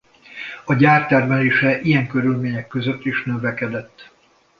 A gyár termelése ilyen körülmények között is növekedett.